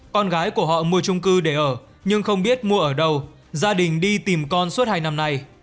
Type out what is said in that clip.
con gái của họ mua trung cư để ở nhưng không biết mua ở đâu gia đình đi tìm con suốt hai năm nay